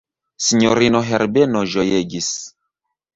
Sinjorino Herbeno ĝojegis.